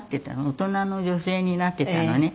大人の女性になってたのね。